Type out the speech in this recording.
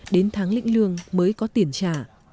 đến tháng lĩnh lương mới có tiền trả